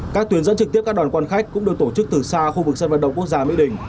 các tuyến dẫn trực tiếp các đoàn quan khách cũng được tổ chức từ xa khu vực sân vận động quốc gia mỹ đình